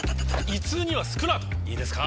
．．．胃痛にはスクラートいいですか？